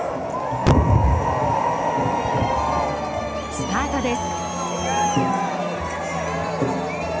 スタートです。